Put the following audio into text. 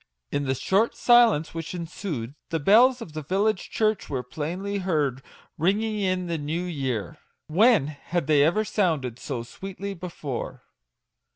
In the short silence which ensued, the bells of the village church were plainly heard ringing in the new born year ! When had they ever sounded so sweetly before